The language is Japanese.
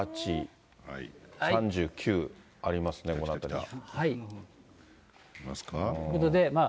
３８、３９ありますね、この辺りは。